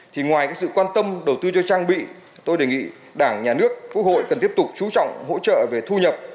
thì ngoài sự quan tâm đầu tư cho trang bị tôi đề nghị đảng nhà nước quốc hội cần tiếp tục chú trọng hỗ trợ về thu nhập